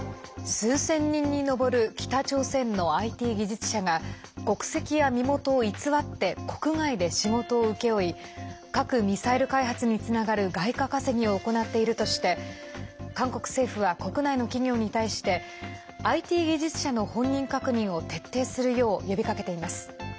数千人に上る北朝鮮のＩＴ技術者が国籍や身元を偽って国外で仕事を請け負い核・ミサイル開発につながる外貨稼ぎを行っているとして韓国政府は国内の企業に対してＩＴ技術者の本人確認を徹底するよう呼びかけています。